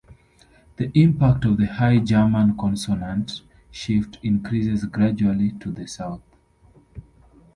The impact of the High German consonant shift increases gradually to the South.